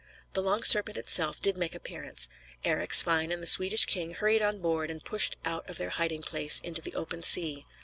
The Long Serpent itself did make appearance. Eric, Svein, and the Swedish king hurried on board, and pushed out of their hiding place into the open sea.